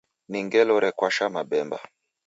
Ni ngelo rekwasha mabemba